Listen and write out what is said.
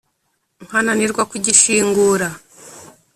nkananirwa kugishingura